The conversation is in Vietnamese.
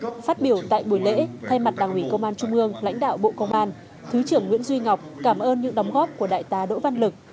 phát biểu tại buổi lễ thay mặt đảng ủy công an trung ương lãnh đạo bộ công an thứ trưởng nguyễn duy ngọc cảm ơn những đóng góp của đại tá đỗ văn lực